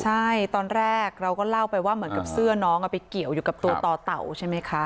ใช่ตอนแรกเราก็เล่าไปว่าเหมือนกับเสื้อน้องไปเกี่ยวอยู่กับตัวต่อเต่าใช่ไหมคะ